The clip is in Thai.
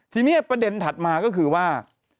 ทีนี้ประเด็นถัดมาก็คือว่า